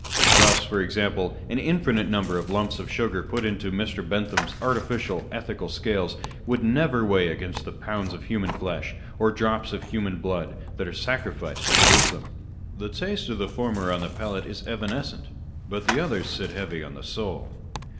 Thus, for example, an infinite number of lumps of sugar put into Mr. Bentham's artificial ethical scales would never weigh against the pounds of human flesh, or drops of human 60 On Reason and Imagination. blood, that are sacrificed to produce them. The taste of the former on the palate is evanescent ; but the others sit heavy on the soul.